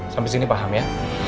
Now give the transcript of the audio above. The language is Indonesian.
sampai sini paham ya